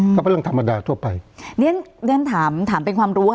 ก็เป็นเรื่องธรรมดาทั่วไปเนี่ยฉันถามเป็นความรู้ค่ะ